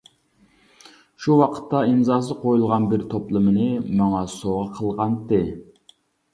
شۇ ۋاقىتتا ئىمزاسى قۇيۇلغان بىر توپلىمىنى ماڭا سوۋغا قىلغانتى.